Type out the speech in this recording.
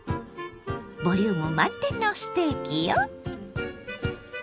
ボリューム満点のステーキよ。